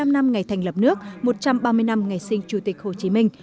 bảy mươi năm năm ngày thành lập nước một trăm ba mươi năm ngày sinh chủ tịch hồ chí minh